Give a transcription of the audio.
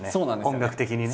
音楽的にね。